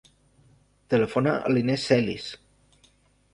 Telefona a l'Inès Celis.